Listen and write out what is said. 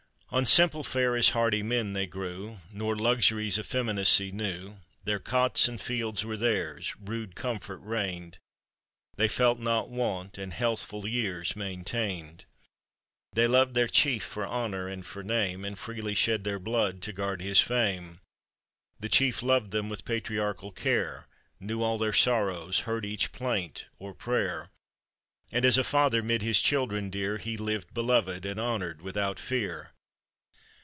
On simple fare as hardy men they grew, Nor luxury's effeminacy knew; Their cots and fields were theirs, rude comfort reigned, They felt not want, and healthful years maintained. They loved their chief for honor and for name, And freely shed their blood to guard his fame. The chief loved them with patriarchal care, Knew all their sorrows, heard each plaint or prayer, And, as a father 'mid his children dear, He lived beloved, and honored without fear.